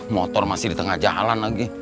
motor masih di tengah jalan lagi